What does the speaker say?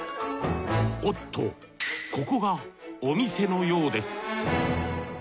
おっとここがお店のようです。